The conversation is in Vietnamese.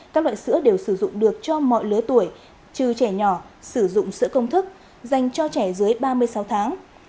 các loại sữa đều sử dụng được cho mọi lứa tuổi trừ trẻ nhỏ sử dụng sữa công thức dành cho trẻ dưới ba mươi sáu tháng